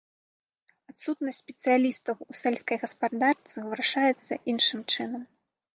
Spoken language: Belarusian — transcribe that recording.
Адсутнасць спецыялістаў у сельскай гаспадарцы вырашаецца іншым чынам.